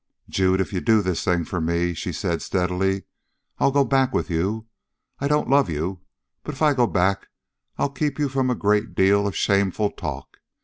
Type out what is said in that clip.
"Jude, if you do this thing for me," she said steadily, "I'll go back with you. I don't love you, but if I go back I'll keep you from a great deal of shameful talk.